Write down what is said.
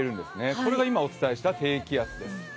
これが今お伝えした低気圧です。